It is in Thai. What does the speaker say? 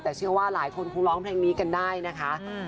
แต่เชื่อว่าหลายคนคงร้องเพลงนี้กันได้นะคะ